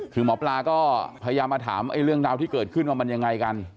คือหมอปลาก็พยายามมาถามเรื่องราวที่เกิดขึ้นว่ามันยังไงกัน